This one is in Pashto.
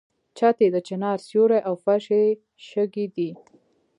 چت یې د چنار سیوری او فرش یې شګې دي.